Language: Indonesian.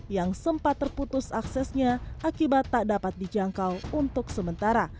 yang sempat terputus aksesnya akibat tak dapat dijangkau untuk sementara